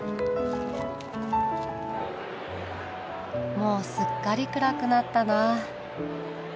もうすっかり暗くなったな。